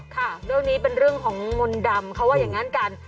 ค่ะเรื่องนี้เป็นเรื่องของมนต์ดำเขาว่าอย่างนั้นกัน